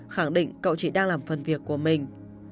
khẳng định cậu chị đang làm phần việc của mình